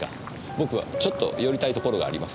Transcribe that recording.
僕はちょっと寄りたいところがあります。